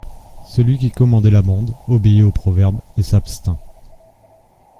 Celui qui commandait la bande obéit au proverbe et s'abstint.